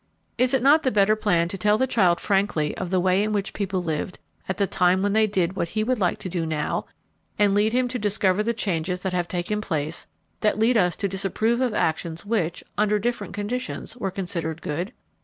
Is it not the better plan to tell the child frankly of the way in which people lived at the time when they did what he would like to do now, and lead him to discover the changes that have taken place that lead us to disapprove of actions which, under different conditions, were considered good?